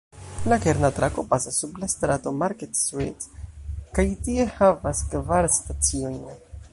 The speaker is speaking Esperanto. La kerna trako pasas sub la strato "Market Street" kaj tie havas kvar staciojn.